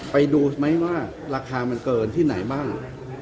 ไปดูไหมว่าราคามันเกินที่ไหนบ้าง